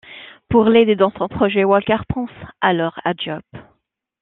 Pour l'aider dans son projet, Walker pense alors à Jobe.